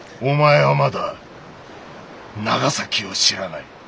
お前はまだ長崎を知らない。